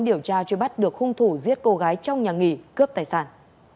điều tra truy bắt được hung thủ giết cô gái trong nhà nghỉ cướp tài sản